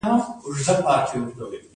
زه مسلمان یم او پر اسلام باور لرم.